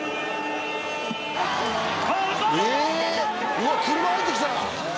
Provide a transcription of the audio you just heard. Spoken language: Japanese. うわっ車入ってきた！